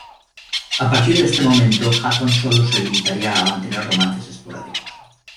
A partir de este momento Hutton solo se limitaría a mantener romances esporádicos.